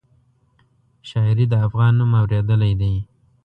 شاعري د افغان نوم اورېدلی دی.